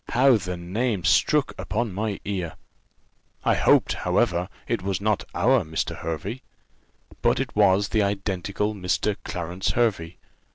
how the name struck upon my ear! I hoped, however, it was not our Mr. Hervey; but it was the identical Mr. Clarence Hervey.